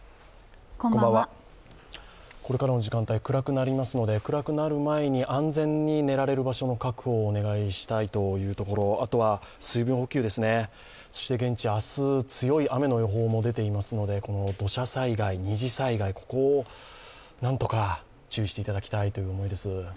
これからの時間帯、暗くなりますので暗くなる前に安全に寝られる場所の確保をお願いしたいというところあとは水分補給ですね、現地、明日、強い雨の予報も出ていますので、この土砂災害、二次災害をなんとか注意していただきたいという思いです。